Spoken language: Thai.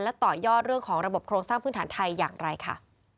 ต่อยอดเรื่องของระบบโครงสร้างพื้นฐานไทยอย่างไรค่ะ